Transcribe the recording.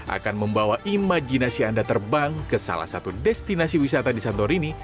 akan membawa imajinasi anda terbang ke salah satu destinasi wisata di santorini